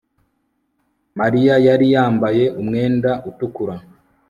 Mariya yari yambaye umwenda utukura